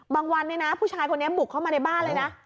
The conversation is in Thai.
วันเนี่ยนะผู้ชายคนนี้บุกเข้ามาในบ้านเลยนะ